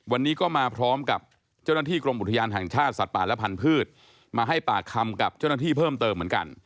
วันนี้ก็มาพร้อมกับเจ้าหน้าที่กรมอุทยานแห่งชาติสัตว์ป่าและพันธุ์มาให้ปากคำกับเจ้าหน้าที่เพิ่มเติมเหมือนกัน